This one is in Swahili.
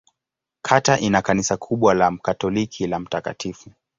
Kata ina kanisa kubwa la Katoliki la Mt.